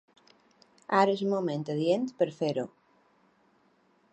Ara és un moment adient per a fer-ho.